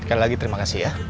sekali lagi terima kasih ya